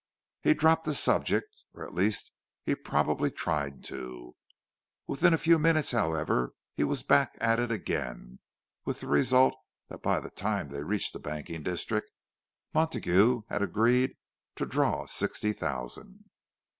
He dropped the subject, or at least he probably tried to. Within a few minutes, however, he was back at it again, with the result that by the time they reached the banking district, Montague had agreed to draw sixty thousand.